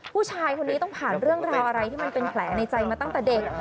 ผู้ชายคนนี้ต้องผ่านเรื่องราวอะไรที่มันเป็นแผลในใจมาตั้งแต่เด็ก